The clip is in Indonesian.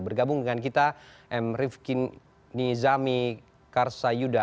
bergabung dengan kita m rifki nizami karsayuda